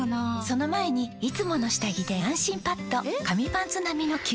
その前に「いつもの下着で安心パッド」え？！